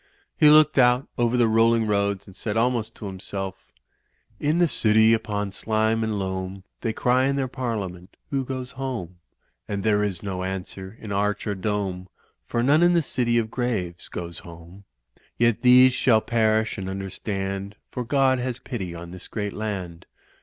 He looked out over the rolling roads and said almost to himself: "In the city set upon slime and loam They cry in their parliament *Who goes home?' And there is no answer in arch or dome, For none in the city of graves goes home. Yet these shall perish and understand, For God has pity on this great land.